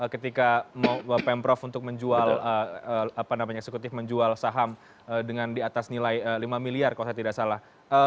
ketika pemprov untuk menjual eksekutif menjual saham dengan di atas nilai lima miliar kalau saya tidak salah